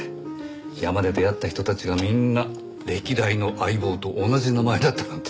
山で出会った人たちがみんな歴代の相棒と同じ名前だったなんて。